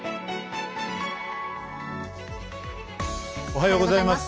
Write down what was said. おはようございます。